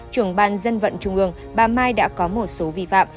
trưởng ban dân vận trung ương bà mai đã có một số vi phạm